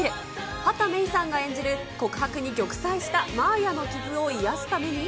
畑芽育さんが演じる、告白に玉砕した真綾の傷を癒やすために。